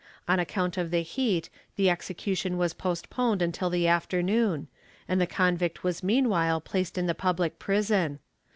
On account of the heat the execution was postponed until the after noon, and the convict was meanwhile placed in the public prison.